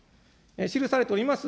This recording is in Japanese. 記されております